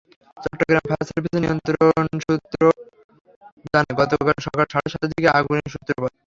Chittagong fire সার্ভিসের নিয়ন্ত্রণকক্ষ সূত্র জানায়, গতকাল সকাল সাড়ে সাতটার দিকে আগুনের সূত্রপাত।